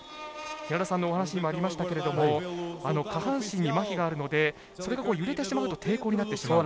寺田さんのお話にもありましたけれども下半身にまひがあるのでそれが揺れてしまうと抵抗になってしまう。